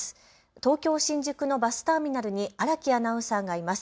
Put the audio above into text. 東京新宿のバスターミナルに荒木アナウンサーがいます。